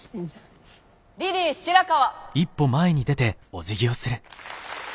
リリー白川。